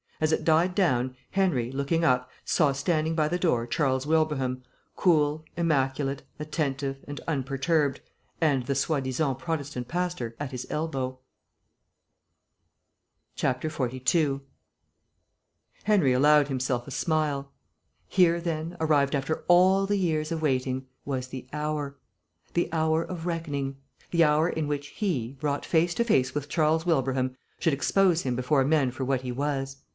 As it died down, Henry, looking up, saw standing by the door Charles Wilbraham, cool, immaculate, attentive, and unperturbed, and the soi disant Protestant pastor at his elbow. 42 Henry allowed himself a smile. Here, then, arrived after all the years of waiting, was the hour. The hour of reckoning; the hour in which he, brought face to face with Charles Wilbraham, should expose him before men for what he was.